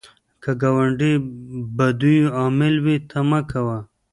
که ګاونډی د بدیو عامل وي، ته مه کوه